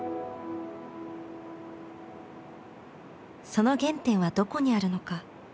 その原点はどこにあるのか？